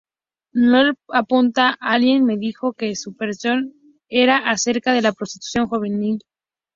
Noel apunta, ""Alguien me dijo que "Supersonic" era acerca de la prostitución juvenil.